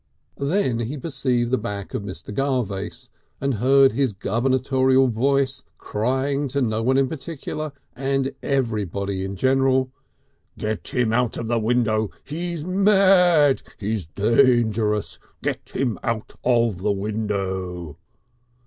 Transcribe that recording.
Then he perceived the back of Mr. Garvace and heard his gubernatorial voice crying to no one in particular and everybody in general: "Get him out of the window. He's mad. He's dangerous. Get him out of the window."